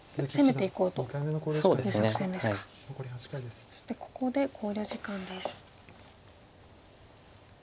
そしてここで考慮時間です。